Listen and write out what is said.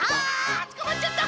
あつかまっちゃった！